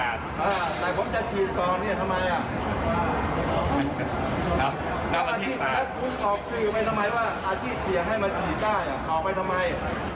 เอาไปทำไม